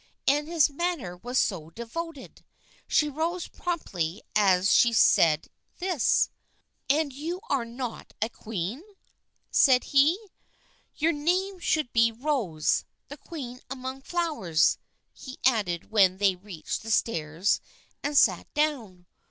And his manner was so devoted ! She rose promptly as she said this. " And are you not a queen ?" said he. " Your name should be Rose, the queen among flowers," he added when they reached the stairs and sat down.